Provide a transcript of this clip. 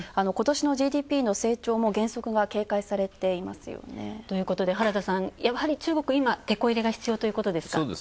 ことしのＧＤＰの成長も減速が警戒されていますよね。ということで、原田さん、やはり中国、てこ入れが必要ということですか？